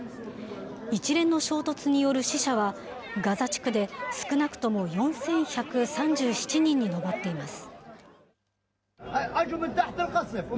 一連の衝突による死者は、ガザ地区で少なくとも４１３７人に上っています。